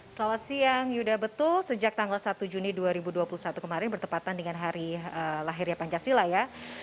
selamat siang yuda betul sejak tanggal satu juni dua ribu dua puluh satu kemarin bertepatan dengan hari lahirnya pancasila ya